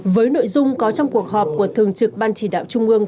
với nội dung có trong cuộc họp của thường trực ban chỉ đạo trung ương